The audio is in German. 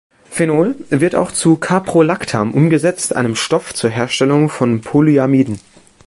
Phenol wird auch zu Caprolactam umgesetzt, einem Stoff zur Herstellung von Polyamiden.